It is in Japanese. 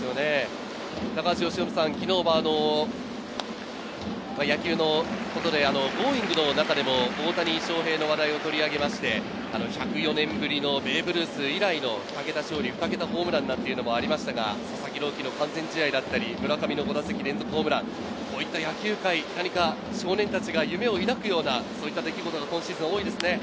高橋由伸さん、昨日は野球のことで『Ｇｏｉｎｇ！』の中でも大谷翔平の話題を取り上げまして、１０４年ぶりのベーブ・ルース以来の２桁勝利、２桁ホームランなんていうのもありましたが、佐々木朗希の完全試合だったり、村上の５打席連続ホームラン、野球界は何か少年たちへ夢を抱くような出来事が今シーズン多いですね。